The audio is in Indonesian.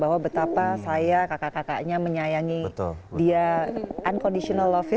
bahwa betapa saya kakak kakaknya menyayangi dia unconditional lovis